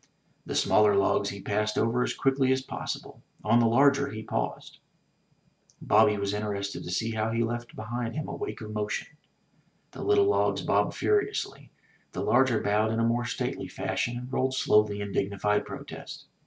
The smaller logs he passed over as quickly as possible; on the larger he paused. Bobby was interested to see how he left behind him a wake of motion. The little logs bobbed furiously; the larger bowed in more stately fashion and rolled slowly in dignified protest.